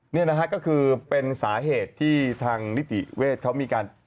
เดี๋ยวนี้ก็เป็นสาเหตุที่นิติเวชมีพร